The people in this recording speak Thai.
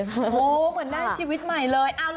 โอ้โหเหมือนได้ชีวิตใหม่เลย